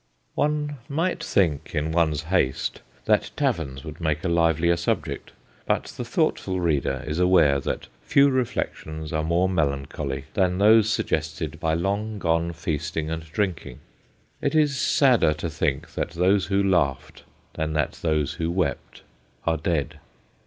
One might think in one's haste that taverns would make a livelier subject, but the thoughtful reader is aware that few reflections are more melancholy than those 264 THE GHOSTS OF PICCADILLY suggested by long gone feasting and drink ing. It is sadder to think that those who laughed, than that those who wept, are dead.